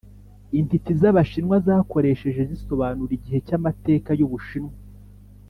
intiti z’abashinwa zakoresheje zisobanura igihe cy’amateka y’u bushinwa